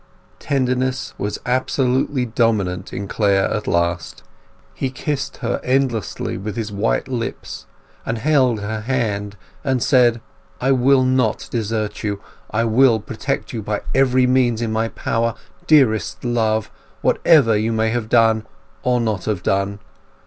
Tenderness was absolutely dominant in Clare at last. He kissed her endlessly with his white lips, and held her hand, and said— "I will not desert you! I will protect you by every means in my power, dearest love, whatever you may have done or not have done!"